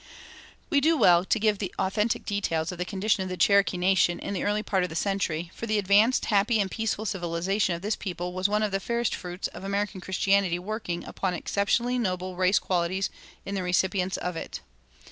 "[265:1] We do well to give authentic details of the condition of the Cherokee nation in the early part of the century, for the advanced happy and peaceful civilization of this people was one of the fairest fruits of American Christianity working upon exceptionally noble race qualities in the recipients of it.